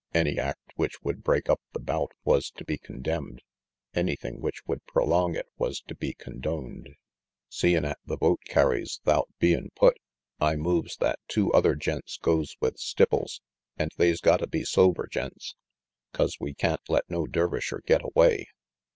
Any act which would break up the bout was to be condemned; anything which would prolong it was to be condoned. "Seein' 'at the vote carries 'thout bein' put, I moves that two other gents goes with Stipples, an' they's gotta be sober gents, 'cause we can't let no Dervisher get away."